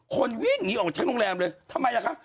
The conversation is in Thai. คนวิ่งหนีออกจากโรงแรมเลยทำไมล่ะคะ